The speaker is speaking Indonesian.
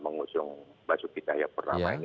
mengusung basuki cahayapurrama ini